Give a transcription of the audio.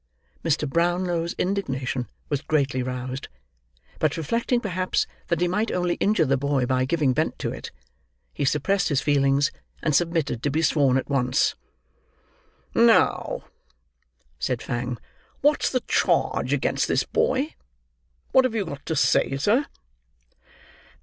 Mr. Brownlow's indignation was greatly roused; but reflecting perhaps, that he might only injure the boy by giving vent to it, he suppressed his feelings and submitted to be sworn at once. "Now," said Fang, "what's the charge against this boy? What have you got to say, sir?"